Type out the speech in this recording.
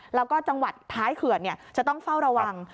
แล้วก็จังหวัดท้ายเขื่อนจะต้องเฝ้าระวัง